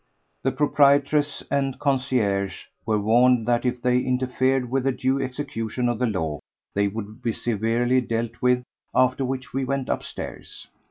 The proprietress and concierge were warned that if they interfered with the due execution of the law they would be severely dealt with; after which we went upstairs.